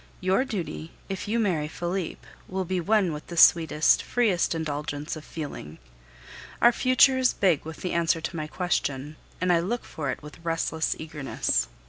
Your duty, if you marry Felipe, will be one with the sweetest, freest indulgence of feeling. Our future is big with the answer to my question, and I look for it with restless eagerness.